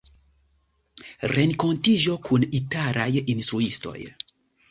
Renkontiĝo kun italaj instruistoj.